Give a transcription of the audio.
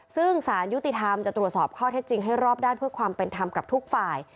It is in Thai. ซึ่งสารยุติธรรมจะตรวจสอบข้อเท็จจริงให้รอบด้านเพื่อความเป็นธรรมกับทุกฝ่าย